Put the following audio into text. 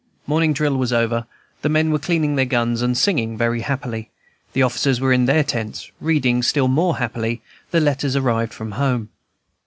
Morning drill was over, the men were cleaning their guns and singing very happily; the officers were in their tents, reading still more happily their letters just arrived from home.